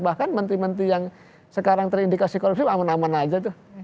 bahkan menteri menteri yang sekarang terindikasi korupsi aman aman aja tuh